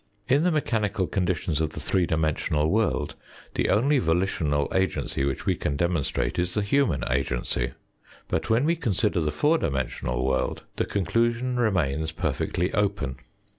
In the mechanical conditions of the three dimensional world, the only volitional agency which we can demonstrate is the human agency. But when we consider the four dimensional world the conclusion remains perfectly open.